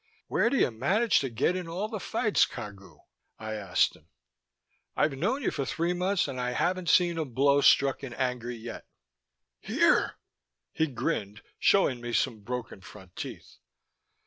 "Where do you manage to get in all the fights, Cagu?" I asked him. "I've known you for three months, and I haven't seen a blow struck in anger yet." "Here." He grinned, showing me some broken front teeth.